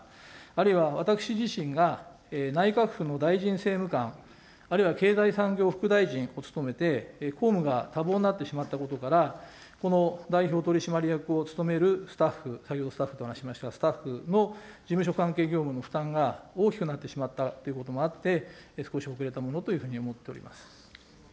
あるいは私自身が内閣府の大臣政務官、あるいは経済産業副大臣を務めて、公務が多忙になってしまったことから、この代表取締役を務めるスタッフ、先ほどスタッフとお話しましたが、スタッフの事務所関係業務の負担が大きくなってしまったということもあって、少し遅れたものというふうに思っております。